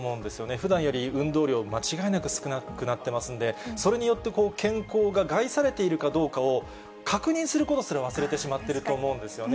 ふだんより運動量、間違いなく少なくなってますんで、それによって健康が害されているかどうかを確認することすら忘れてしまっていると思うんですよね。